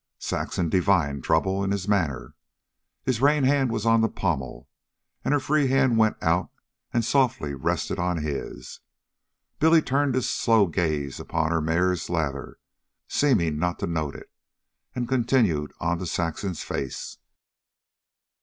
Saxon divined trouble in his manner. His rein hand was on the pommel, and her free hand went out and softly rested on his. Billy turned his slow gaze upon her mare's lather, seeming not to note it, and continued on to Saxon's face.